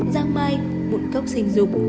giang mai bụn cóc sinh dục